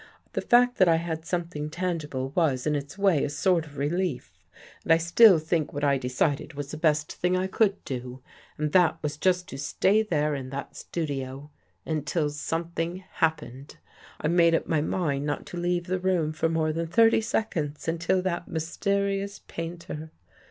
The fact that I had something tangible was, in its way, a sort of re lief. And I still think what I decided was the best thing I could do. And that was just to stay there in that studio until something happened. I made up my mind not to leave the room for more than thirty seconds, until that mysterious painter.